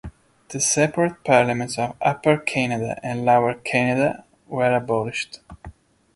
The separate parliaments of Upper Canada and Lower Canada were abolished.